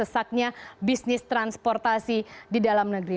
dan itu adalah sesaknya bisnis transportasi di dalam negeri